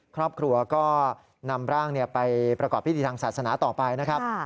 ครอบครัวก็นำร่างไปประกอบพิธีทางศาสนาต่อไปนะครับ